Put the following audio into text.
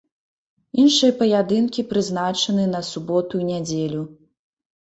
Іншыя паядынкі прызначаны на суботу і нядзелю.